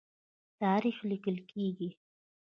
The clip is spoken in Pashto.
تاریخ لیکل کیږي.